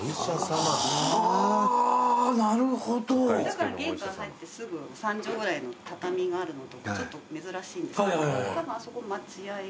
だから玄関入ってすぐ３畳ぐらいの畳があるのとかちょっと珍しいんですけどたぶんあそこ。